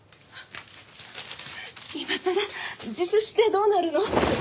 今さら自首してどうなるの？